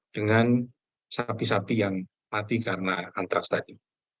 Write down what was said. dengan sapi sapi yang mati karena antraks tadi